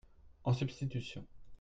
En substitution.